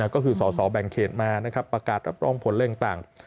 ก็คือสอสอแบ่งเขตมานะครับประกาศกับร่องผลเรื่องต่าง